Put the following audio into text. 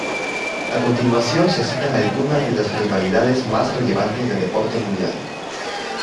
A continuación se citan algunas de las rivalidades más relevantes del deporte mundial.